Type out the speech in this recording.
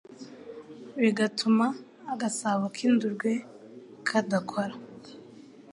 bigatuma agasabo k'indurwe kadakora